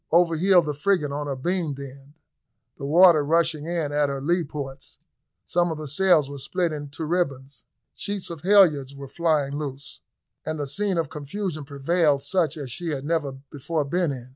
Over heeled the frigate on her beam end, the water rushing in at her lee ports some of the sails were split to ribbons, sheets and halyards were flying loose, and a scene of confusion prevailed such as she had never before been in.